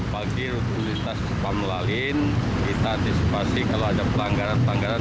pagi lintas sepeda motor melalui kita antisipasi kalau ada pelanggaran pelanggaran